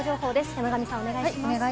山神さん、お願いします。